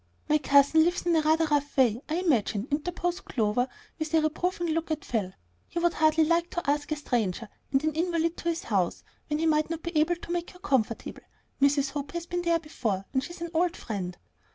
"My cousin lives in a rather rough way, I imagine," interposed Clover, with a reproving look at Phil. "He would hardly like to ask a stranger and an invalid to his house, when he might not be able to make her comfortable. Mrs. Hope has been there before, and she's an old friend."